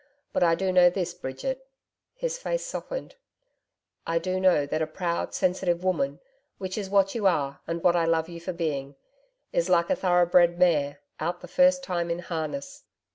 But I do know this, Bridget' his face softened 'I do know that a proud, sensitive woman which is what you are and what I love you for being is like a thoroughbred mare, out the first time in harness.